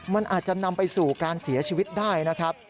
มันอาจจะนำไปสู่การเสียชีวิตได้นะครับ